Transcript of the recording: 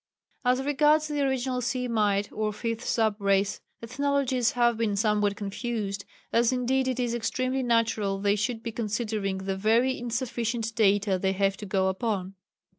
As regards the original Semite or 5th sub race ethnologists have been somewhat confused, as indeed it is extremely natural they should be considering the very insufficient data they have to go upon.